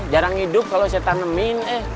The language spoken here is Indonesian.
jarang hidup kalau saya tanemin eh